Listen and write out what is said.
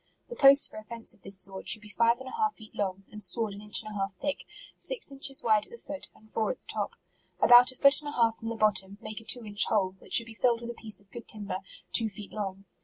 The posts for a fence of this sort, should be five and a half feet long, and sawed an inch and a half thick, six inches wide at the foot, and four at the top. About a foot and a half from the bottom, make a two inch hole, which should be filled with a piece of good timber, two feet long.